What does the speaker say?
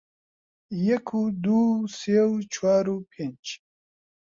یەک و دوو و سێ و چوار و پێنج